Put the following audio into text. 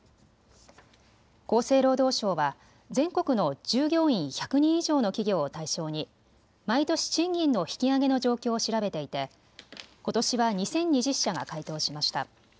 厚生労働省は全国の従業員１００人以上の企業を対象に毎年、賃金の引き上げの状況を調べていてことしは２０２０社が回答しました。